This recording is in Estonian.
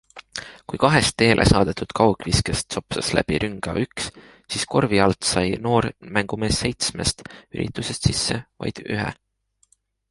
Kui kahest teele saadetud kaugviskest sopsas läbi rünga üks, siis korvi alt sai noor mängumees seitsmest üritusest sisse vaid ühe.